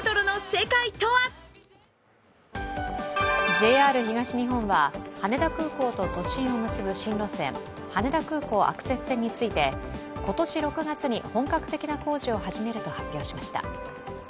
ＪＲ東日本は羽田空港と都心を結ぶ新路線、羽田空港アクセス線について、今年６月に本格的な工事を始めると発表しました。